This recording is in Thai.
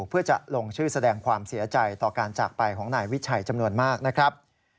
เพื่อจะลงชื่อแสดงความเสียใจต่อการจากไปของนายวิชัยจำนวนมากนะครับ